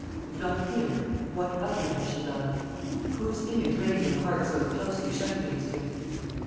If not him, what other had she loved? Whose image reigned in the heart so closely shut against him?